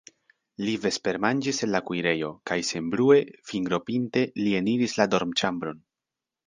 Li vespermanĝis en la kuirejo kaj senbrue, fingropinte li eniris la dormĉambron.